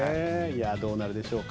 どうなるでしょうか。